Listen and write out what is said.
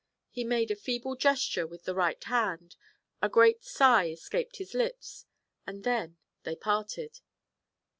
He made a feeble gesture with the right hand; a great sigh escaped his lips, and then they parted.